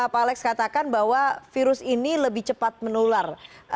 pak alex katakan bahwa virus ini lebih cepat menular